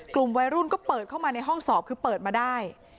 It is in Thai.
กลุ่มวัยรุ่นก็เปิดเข้ามาในห้องสอบคือเปิดมาได้